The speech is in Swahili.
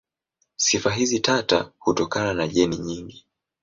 Sifa hizi tata hutokana na jeni nyingi.